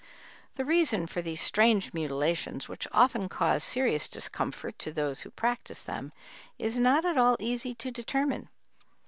The reason for these strange mutilations, which often cause serious discomfort to those who practice them, is not at all easy to determine.